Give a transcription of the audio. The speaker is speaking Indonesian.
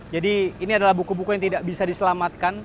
jadi ini adalah buku buku yang tidak bisa diselamatkan